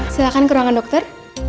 silahkan ke ruangan dokter